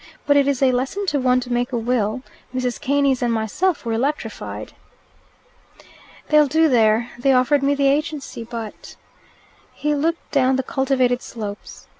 But it is a lesson to one to make a will. Mrs. Keynes and myself were electrified." "They'll do there. They offered me the agency, but " He looked down the cultivated slopes.